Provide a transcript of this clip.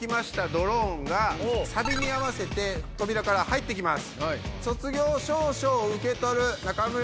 ドローンがサビに合わせて扉から入ってきます。